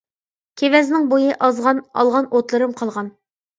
كېۋەزنىڭ بويى ئازغان، ئالغان ئوتلىرىم قالغان.